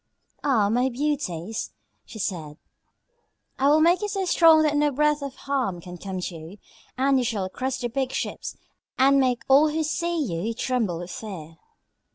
"Ah, my beauties," she said, "I will make you so strong that no breath of harm can come to you, and you shall crush the big ships and make all who see you tremble with fear."